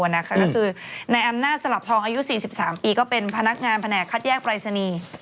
ก็คือในอำนาจสลับทองอายุ๔๓ปีก็เป็นพนักงานแผนกคัดแยกปรายศนีย์